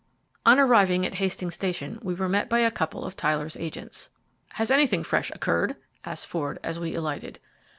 On arriving at Hastings station we were met by a couple of Tyler's agents. "Has anything fresh occurred?" asked Ford, as we alighted.